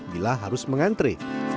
bila harus mengantri